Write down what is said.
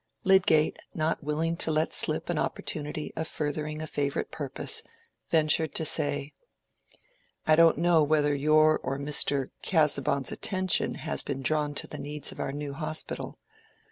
Lydgate, not willing to let slip an opportunity of furthering a favorite purpose, ventured to say— "I don't know whether your or Mr. Casaubon's attention has been drawn to the needs of our New Hospital.